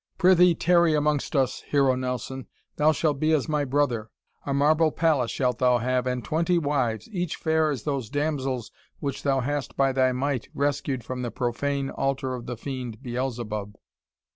"Prithee tarry amongst us, Hero Nelson. Thou shalt be as my brother. A marble palace shalt thou have and twenty wives, each fair as those damsels which thou hast, by thy might, rescued from the profane altar of the fiend, Beelzebub!"